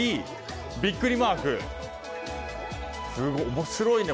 面白いね！